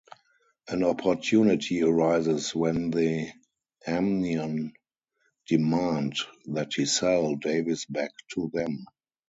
An opportunity arises when the Amnion demand that he sell Davies back to them.